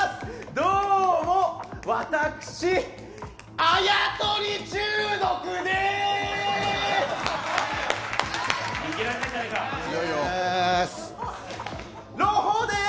どうも私、あやとり中毒でーす。